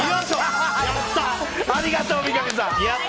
ありがとう、三上さん。